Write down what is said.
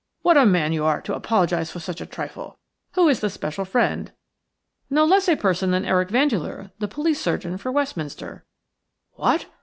What a man you are to apologize about such a trifle! Who is the special friend?" "No less a person than Eric Vandeleur, the police surgeon for Westminster." "What!